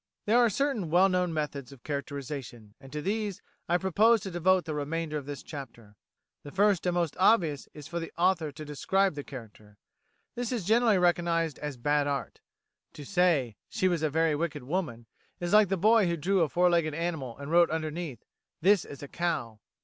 There are certain well known methods of characterisation, and to these I propose to devote the remainder of this chapter. The first and most obvious is for the author to describe the character. This is generally recognised as bad art. To say "She was a very wicked woman," is like the boy who drew a four legged animal and wrote underneath, "This is a cow."